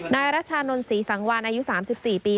นายรัชานนท์ศรีสังวานอายุ๓๔ปี